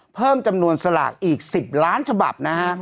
เพิ่มจำนวนสลากอีก๑๐ล้านฉบับนะฮะ